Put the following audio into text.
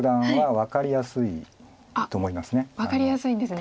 分かりやすいんですね。